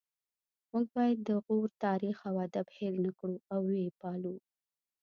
موږ باید د غور تاریخ او ادب هیر نکړو او ويې پالو